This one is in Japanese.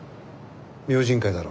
「明神会」だろ。